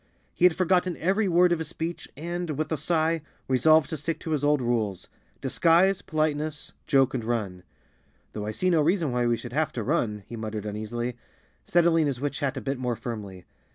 He had forgotten every word of his speech and, with a sigh, resolved to stick to his old rules—disguise, politeness, joke and run. "Though I see no reason why we should have to run," he muttered uneasily, settling his witch hat a bit more firmly.